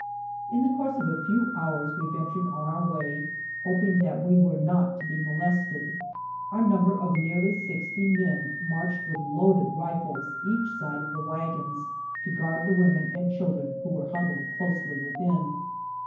In the course of a few hours we ventured on our way, hoping that we Avere not to be molested, (^ur number of nearly sixty mien marched with loaded rifles each side of the wagons to guard the women and children who were huddled closely within.